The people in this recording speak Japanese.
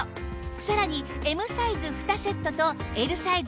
さらにＭサイズ２セットとＬサイズ